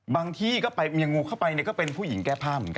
ที่ก็ไปเมียงูเข้าไปก็เป็นผู้หญิงแก้ผ้าเหมือนกัน